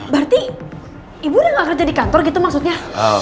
berarti ibu udah gak kerja di kantor gitu maksudnya